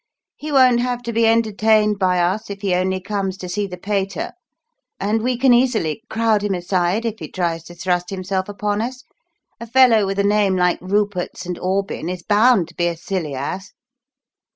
"He won't have to be entertained by us if he only comes to see the pater; and we can easily crowd him aside if he tries to thrust himself upon us a fellow with a name like 'Rupert St. Aubyn' is bound to be a silly ass."